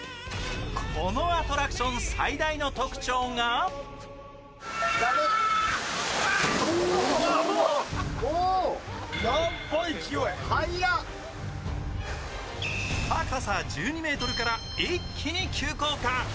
このアトラクション最大の特徴が高さ１２ｍから一気に急降下。